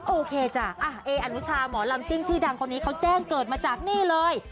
โอเคจ้ะเอออนุชาหมอลำซิ่งชื่อดังคนนี้เขาแจ้งเกิดมาจากนี่เลย